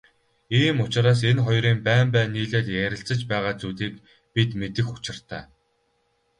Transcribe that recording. Ийм учраас энэ хоёрын байн байн нийлээд ярилцаж байгаа зүйлийг бид мэдэх учиртай.